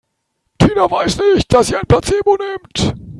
Tina weiß nicht, dass sie ein Placebo nimmt.